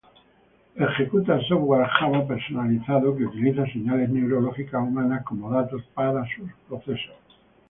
Ejecuta software Java personalizado que utiliza señales neurológicas humanas como datos para sus procesos.